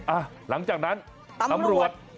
หลังจากนั้นตำรวจ